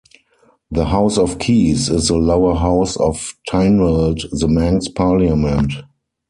The House of Keys is the lower house of Tynwald, the Manx parliament.